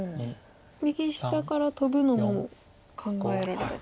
右下からトブのも考えられたと。